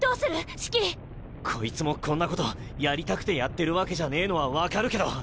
シキ！こいつもこんなことやりたくてやってるわけじゃねえのは分かるけど。